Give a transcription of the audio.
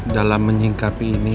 dalam menyingkapi ini